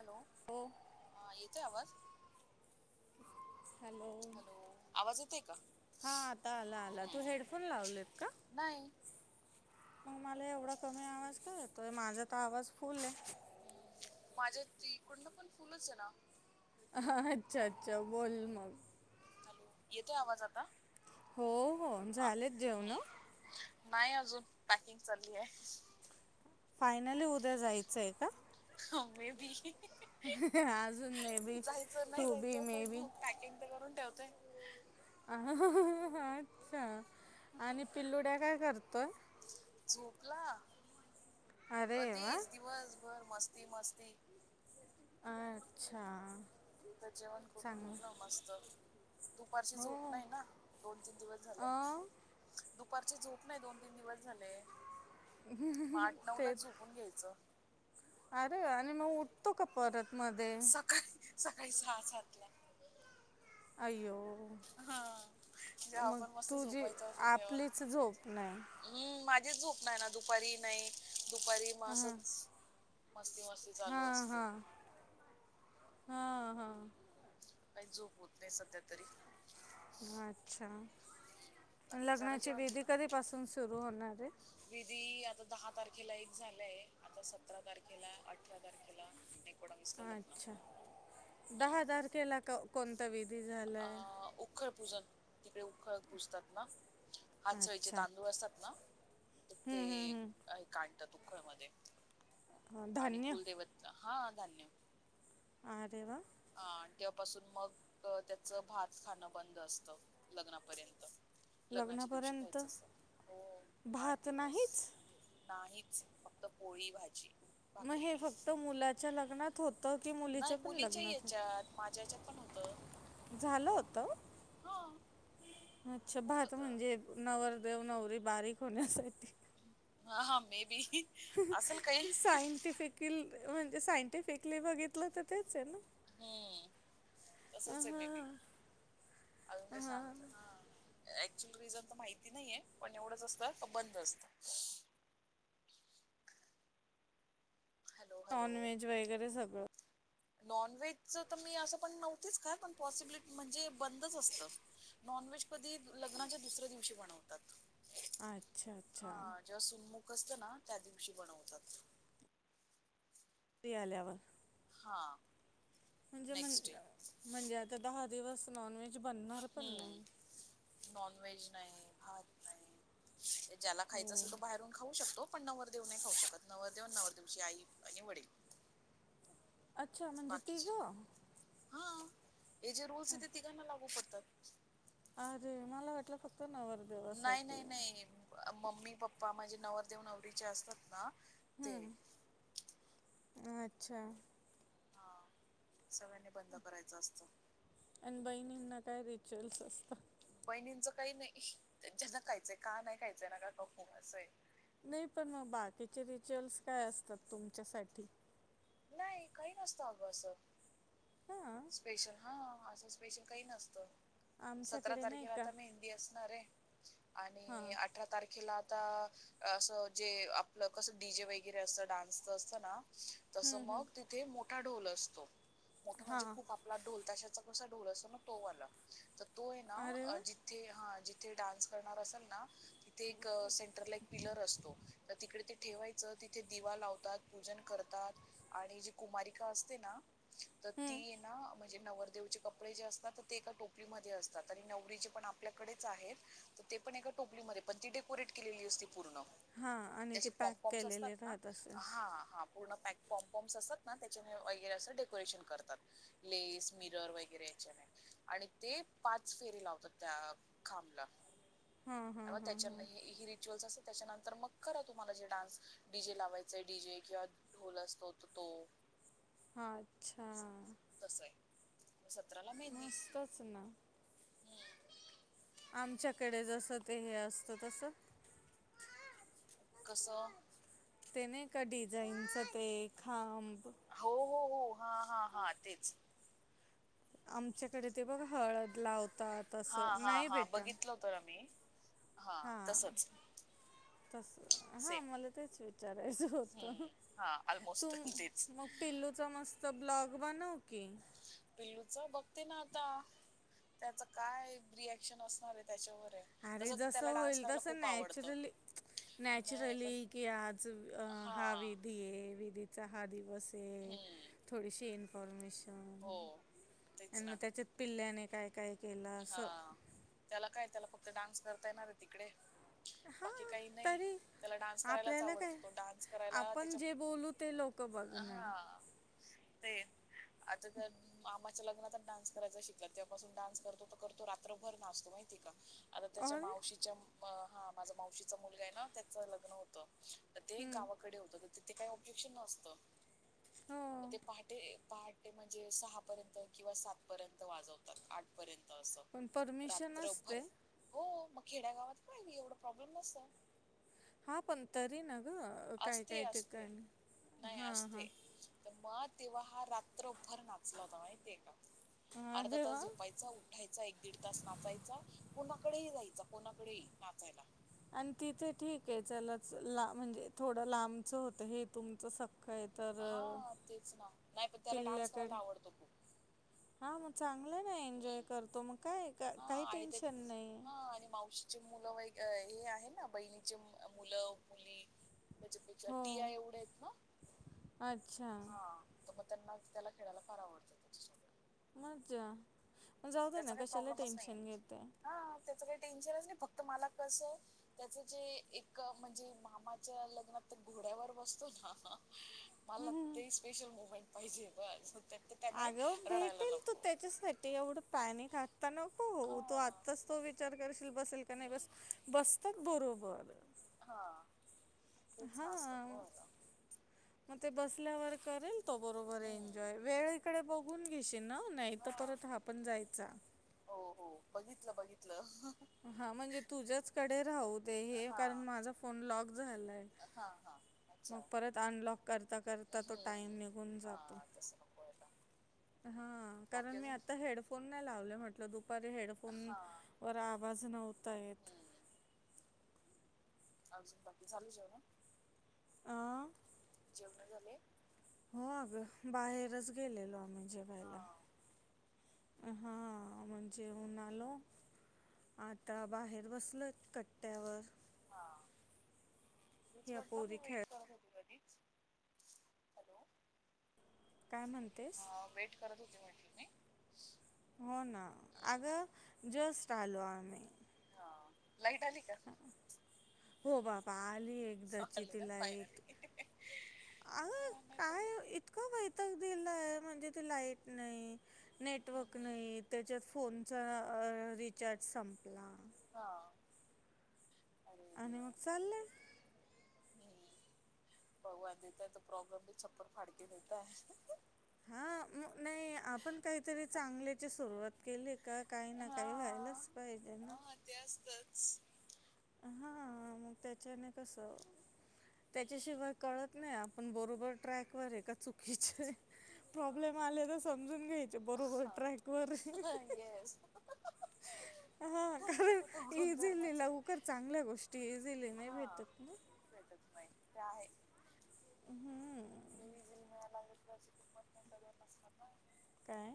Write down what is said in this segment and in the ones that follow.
Hello, हो ह येतोय आवाज. हॅलो हॅलो, आवाज येतोय का? हा आता आला आला तू हम्म, हेडफोन लावलेत का नाही. मग मला एवढा कमी आवाज का येतोय. माझा तर आवाज फुल आहे. माझ्या त इकडन पण फुलच आहे ना. ह अच्छा अच्छा बोल मग. येतोय आवाज आता. हो हो हा झालेत जेवण हम्म नाही अजून पॅकिंग चालली आहे. फायनली उद्या जायचय का? समे बी आजून may be to be may be. तिनत करून ठेवते. अच्छा, आणि पिलुड्या काय करतोय? झोपला अरे वा कधीच, दिवसभर मस्ती मस्ती. अच्छा जेवण करून चांगलं घेतल मस्त. दुपारची हो झोप नाही ना. दोन तीन दिवस झाले. अ दुपारची झोप नाही दोन तीन दिवस झाले. मग आठ नऊ लाच ते झोपून घ्यायच. अरे, आणि मग उठतो का परत मध्ये. काय, सकाळी सहा सातला अय्यो हा जेव्हा मग आपण मस्त तुझी, झोपायचं असं तेव्हा आपलीच झोप नाही. हम्म, माझीच झोप नाही ना दुपारी नाही. दुपारी म हां असच मस्ती मस्ती चालू हां असते. हां हां हां काही झोप होत नाही सध्या तरी. अच्छा, हम्म. बाकी झालं लग्नाची जेवण विधी तुझं कधीपासून सुरू होणार आहे. विधी, आता दहा तारखेला एक झालाय, आता सतरा तारखेला, अठरा तारखेला एकोणावीसला लग्न अच्छा, दहा हम्म. तारखेला, क-कोणता विधी झालाय? अं, उखळ पुजन, तिकडे उखळ पुजतात ना, हातसळीचे अच्छा तांदूळ असतात ना ते हम्म, हम्म, हम्म. अ काढतात उखळ मध्ये अं, आणि, धान्य कुदैवत हां, धान्य आरे वा! अ तेव्हापासून, मग त्याच, भात खाणं बंद असतं. लग्नापर्यंत लग्नाच्या दिवशी लग्नापर्यंत खायचं असत, आठ भात दिवस नाहीच नाहीच, फक्त पोळी भाजी. म भाकरी हे फक्त, मुलाच्या लग्नात होतं, की मुलीच्या पण लग्नात होत? ऍप, माझ्या याच्यात पण, होत. झालं होत. हा अच्छा झालं भात, होत म्हणजे नवरदेव- नवरी बारीक होण्यासाठी. हा हा, मे बी. असेल काही ह्हणणं, सायंटिफिकल, म्हणजे सायंटिफिकली बघितलं, तर तेच ये ना? हम्म, हां तसच ये, मे बी, अजून काय हां सांगत, हां. ऍक्च्युअल रिझन त माहिती नहीये, पण एवढंच असत, क् बंद असत. हॅलो नॉन व्हेज वगैरे, सगळं. नॉन व्हेज च त मी, असं पण नव्हतीच खात, पण पॉसिबिलिटी, म्हणजे बंदच असतं. नॉनव्हेज कधी, लग्नाच्या दुसऱ्या दिवशी, बनवतात. अच्छा हां, जेव्हा सुनमुख असतं ना, त्या दिवशी बनवतात. ती आल्यावर. हां. म्हणजे मन, म्हणजे आता दहा दिवस नॉन व्हेज बनणार, पण नाही. नॉन व्हेज नाही, भात नाही, ज्याला खायच हो असेल, तो बाहेरून खाऊ शकतो. पण नवरदेव नाही खाऊ शकत, नवरदेव-नवरदेवची आई आणि वडील. अच्छा, म्हणजे तिघ? बाकीचे हा हे जे, रूल्स ये, ते तिघांना लागू पडतात. अरे, मला वाटलं, फक्त नवर नाही नाही नाही, मम्मी पप्पा, म्हणजे नवरदेव- नवरीचे असतात ना, ते. हं, अच्छा. हा सगळ्यांनी बंद करायच, असतं. आणि बहिणींना, काय रिच्युअल्स असतात? बहिणींचं काही नही, ज्यांचं न खायचं खा, नहीं खायचं नका खाऊ, असय. नही पण मग, बाकीचे रिच्युअल्स काय असतात, तुमच्यासाठी? नही, काही नसतं अगं, असं. हां स्पेशल हं, असं स्पेशल काही नसतं, सतरा आमच्याकडे नाही तारखेला का आता मे दि असणारेय, आणि हां. अठरा तारखेला, आता असं, जे आपलं, कसं डी जे वगैरे असतं, डान्सच असत ना? हं, तसं हं. मग तिथे, मोठा ढोल असतो, मोठा म्हणजे हां खूप आ पला ढोल ताशाचा कसा ढोल असतो ना, तो वाला, तर तो ये ना, अरे वा जी थे, हां जिथे डान्स करणार असल ना, तिथे एक सेंटर ला, एक पिलर असतो. तर तिकडे ते ठेवायचं तिथे दिवा लावतात पूजन करतात. आणि जी कुमारिका असते ना तर हं. ती ना म्हण जे नवरदेवचे कपडे जे असतात तर ते एका टोपलीमध्ये असतात आणि नवरीचे पण आपल्याकडेच आहेत. तर ते पण एका टोपलीमध्ये पण ती डेकोरेट केलेली असती पूर्ण हां ते आणि अशे पॉम पॅक पॉम्स असतात केलेले ना राहत असेल हा हा पूर्ण पॅक पोमपोर्म्स असतात ना त्याच्याने ऑईली वगैरे असं डेकोरेशन करतात लेस मिरर वगैरे याच्याने आणि ते पाच फेरी लावतात त्या खांबला हां हां मग हां हां त्याच्यातही रिच्युअल्स असे त्याच्यानंतर मग करा तुम्हाला जे डान्स डी जे लावायचेय डीजे किंवा ढोल अस तोत तो अच्छा तसं ये. सतराला मस्तच ना हम्म आमच्याकडे जस ते हे असतं तस कसं ते नाई का डिझाईनच ते खांब हो हो हो हा हा हा तेच आमच्याकडे ते बघ हळद लावतात. हा असं हा नाही हा बेटा बघितल होत ना मी हा तसच तस हा मला तेच विचारायचं होत हम्म हां तू ऑलमोस्ट तेच मग पिल्लू च मस्त ब्लॉग बनव की पिल्लूच बघते ना आता त्याच काय रिएक्शन असणार आहे त्याच्यावर ये. अरे जसं होईल तसं नॅचरली नाही नॅचरली पण कि आज हा हां विधी ये. सहा दिवस आहे हम्म थोडीशीन इन्फॉर्मेशन हो तेच आणि मग ना त्याच्यात पिल्ल्याने काय काय केलं असं. हां त्याला काय त्याला फक्त डान्स करता येणार रे तिकडे हा बाकी काही नाही तरी त्याला डान्स करायलाच आपल्याला आवडतो काय तो डान्स करायला आपण त्याच्या जे बोलू ते लोक तो बघ ना हां ते मामाच्या लग्नातच डान्स करायचा शिकला तेव्हापासून डान्स करतो. तो करतो रात्रभर नाचतो माहिती ये का आता त्याच्या अरे मावशीच्या मग हा माझा मावशीचा मुलगा आहे ना त्याचं लग्न होत तर ते हम्म, गावाकडे होत. तिथे काही ऑब्जेक्शन नसतं. [inaudible] मग हो ते पहाटे पहाट ते म्हणजे सहापर्यंत किंवा सातपर्यंत वाजवतात आठपर्यंत असं पण परमिशन रात्रभर असते हो मग खेड्या गावात काही नाही एवढ प्रॉब्लेम नसत. हा पण तरी ना गं काय असते काय असते ठिकाणी नाही हा हां असते तर मग तेव्हा हा रात्रभर नाचला होता माहिती ये का- अर्धा अरे तास वा झोपायचा उठायचा एक दीड तास नाचायचा कोणाकडेही जायचा कोणाकडेही नाचायला. आणि तिथे ठीक ये चलच ला म्हणजे थोडं लांबचं होतं हे तुमचं सखखं आहे. तर अ, हा तेच ना नाही पण त्याला डान्स पिल्ल्याकडे करायला आवडतो खूप हां मग चांगलं ये ना एन्जॉय हम्म करतो मग काय हा काही आणि ते टेन्शन नाही. हा आणि मावशी. चे मुलं व, हे आहे ना बहिणीचे मुलं-मुली. त्याच्यापेक्षा हो टीया एवढ्या आहेत ना. अच्छा. ह मग त्यांना त्याला खेळायला फार आवडतं त्याच्यासोबत. मज्जा, म जाऊदे ना त्याचा काही कशाला प्रॉब्लेमच नाहीये टेन्शन घेते. हा त्याचं काही टेन्शनच नाही फक्त मला कसं त्याच जे, एक म्हणजे मामाच्या लग्नात तर घोड्यावर बसतो ना मला ते स्पेशल मुमेंट पाहिजे बस. त्याने अगं रडायला भेटेल तू ते. नको त्याच्या साठी एवढं पॅनिक आता नको हा होऊ, तो आत्ताच तो विचार करशील बसेल का नाही हम्म बस-बस त्यात बरोबर. हा. तेच हा नाच नको व्हायला मग ते बसल्यावर करेल. तो बरोबर आहे हम्म एन्जॉय, वेळेकडे बघून घेशी ना, नाहीतर परत हा पण जायचा. हो, हो बघितलं-बघितलं. हा म्हणजे तुझ्याचकडे राहूदे हे हा कारण माझा फोन लॉक झालाय. हा हा अच्छा मग परत अनलॉक करता-करता तो टाईम हम्म निघून हा जातो. तसं नको व्हायला हा कारण बाकी मी अजून आता हेडफोन नाही लावले, म्हटलं दुपारी हेड फोन हा वर आवाज नव्हता येत. हम्म अजून बाकी झाली जेवणं? आ जेवणं झाले? हो अगं बाहेरच गेलेलो आम्ही जेवायला. हा हां म जेवुन आलो. आता बाहेर बसलोयत कट्ट्यावर. ह्या स्वतःहून म्हटलं पोरी मग खेळ वेट करत होती कधीच. हॅलो काय म्हणतेस? हा वेट करत होती म्हटलं मी. हो ना अगं जेस्ट आलो आम्ही. हा लाईट आली का? हो बाबा आली एक एकादशी आली ती ना फायनली. लाईट अगं हा नाही तर काय मग इत इतका वैताग दिलाय, म्हणजे ते लाईट नाही, हम्म नेटवर्क हम्म. नाही त्याच्यात फोनचा रिचार्ज संपला. हा, अरे. आणि देवा मग चाललंय. हम्म भगवान देेताय तो, प्रॉब्लेम भी छप्पर फाडके देेताय. अ नाही आपण काहीतरी चांगल्याची सुरवात केली. का काही ना हा काही, व्हायलाच पाहिजे ना. हा ते असतंच. हा मग त्याच्याने कसं. त्याच्याशिवाय कळत नाही, आपण बरोबर ट्रॅक वर आहे का चुकीच्याय. प्रॉब्लेम आले तर समजून घ्यायचे, बरोबर ट्रॅक वर आहे. हा येस हा कारण तो तो इझिली गुणधर्मच आहे लवकर, चांगल्या गोष्टी इझिली नाही हा भेटत ना. भेटत नाही ते आहे. ते [unintelligible] किंमत नाही कदर नसणार ना. काय?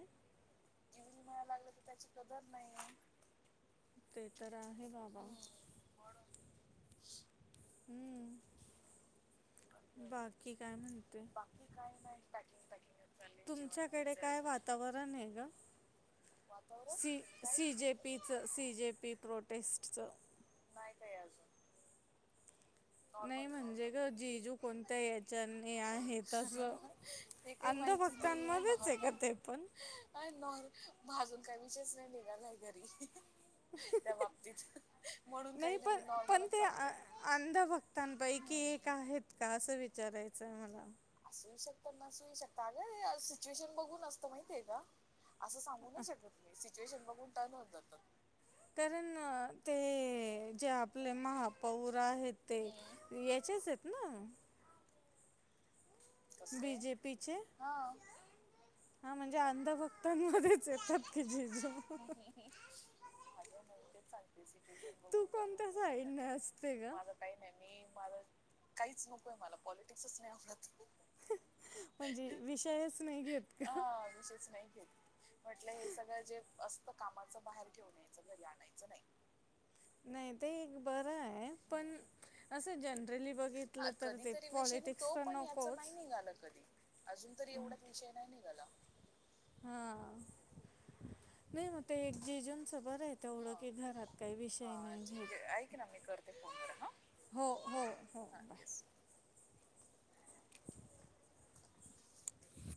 [unintelligible] मिळायला लागलं तर त्याची कदर नाही. ते तर आहे बाबा. म्हणून हम् बाकी काय म्हण बाकी काय नाही. [unintelligible] चालले जेवण तुमच्याकडे व्हायचंय काय अजून वातावरण आहे ग? वातावरण सी सी काहीच जे पी चं सी जे पी प्रोटेस्टचं. नाही काही अजून. नाही नॉर्मल म्हणजे नॉर्मल ग जीजू कोणत्या या च्यांन्नी आहे तसं, ते काही माहिती नाहीये अंधभक्तांमध्येच आहे का ते नॉर्मल पण? [unintelligible] काही विषयच नाही निघालाय घरी. त्या बाबतीत, म्हणून काही नाही मी नॉर्मलच सांगते. त्यांपैकी एक नाही आहेत का असं विचारायचंय मला. असूही शकतं नसूही शकतं अगं सिच्युएशन बघून असतं माहिती आहे का? असं सांगू नाही शकत मी सिच्युएशन बघून टर्न होत जात. कारण ते जे आपले महा पौर आहे ते हम्म याचेच आहेत. ना कसले? बी जे पी चे. हा हा म्हणजे अंधभक्तांमध्येच येतात की जिजू. हम्म. अगं म्हणून तेच सांगते, सिच्युएशन [inaudible] तू कोणत्या साईडने असते ग काही नाही. मी मला काहीच नको आहे, मला पॉलिटिक्सच नाही आवडत. म्हणजे विषयच नाही घेत का? हा विषयच नाही घेत. म्हटलं हे सगळं जे असतं कामाचं बाहेर ठेवून यायचं. घरी आणायचं नाही. नाही ते एक बरं आहे, पण हम्म. असं जनरली बघितित हा कधीतरी विषय निघतो. पण याच नाही निघाल कधी. अजून तरी एवढ्यात विषय नाही निघाला. हा, नाही मग ते एक जीजूंच बरं आहे तेवढं हा की घरात काही विषय हा नाही माहित. ठीक आहे ऐक ना मी करते फोन वर हा. हो हो हो हा बाय. येस.